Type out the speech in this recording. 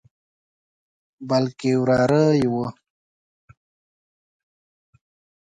بلکې وراره یې وو.